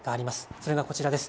それがこちらです。